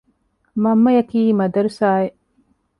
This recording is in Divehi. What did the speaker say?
މަންމަޔަކީ މަދަރުސާއެއް